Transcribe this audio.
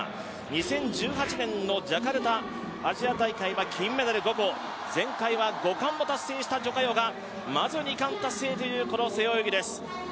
２０１８年のジャカルタアジア大会は金メダル５個、前回は５冠も達成した徐嘉余が２冠を達成という、背泳ぎです。